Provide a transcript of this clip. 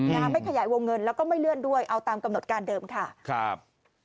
นะคะไม่ขยายวงเงินแล้วก็ไม่เลื่อนด้วยเอาตามกำหนดการเดิมค่ะครับ